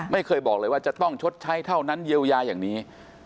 ไม่เคยบอกเลยว่าจะต้องชดใช้เท่านั้นเยียวยาอย่างนี้